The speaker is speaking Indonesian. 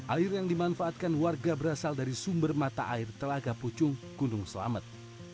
air yang dimanfaatkan warga berasal dari sumber mata air telaga pucung gunung selamet